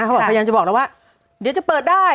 เขาบอกพยายามจะบอกแล้วว่าเดี๋ยวจะเปิดได้